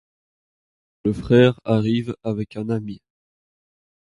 Le frère arrive avec un ami.